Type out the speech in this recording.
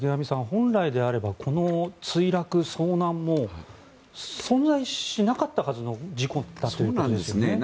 本来であればこの墜落、遭難も存在しなかったはずの事故だということですよね。